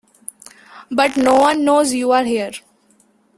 But no one knows you are here.